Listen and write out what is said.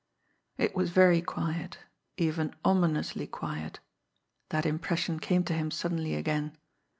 It was very quiet even ominously quiet that impression came to him suddenly again.